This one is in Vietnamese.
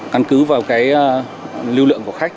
căn cứ vào cái lưu lượng của khách